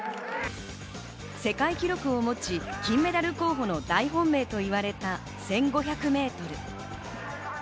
世界記録を持ち、金メダル候補の大本命と言われた１５００メートル。